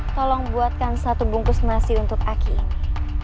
tolong buatkan satu bungkus nasi untuk aki ini